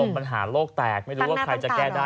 ปัญหาโลกแตกไม่รู้ว่าใครจะแก้ได้